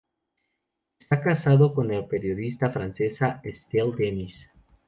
Está casado con la periodista francesa "Estelle Denis".